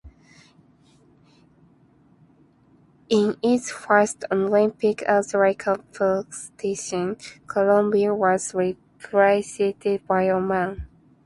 In its first Olympic archery competition, Colombia was represented by one man.